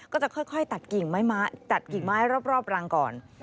ก็จะค่อยตัดกิ่งไม้รอบรังก่อน